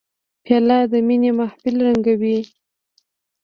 پیاله د مینې محفل رنګینوي.